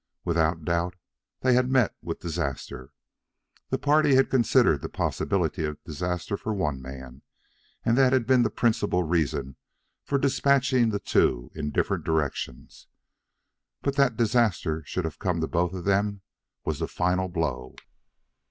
Without doubt they had met with disaster. The party had considered the possibility of disaster for one man, and that had been the principal reason for despatching the two in different directions. But that disaster should have come to both of them was the final blow.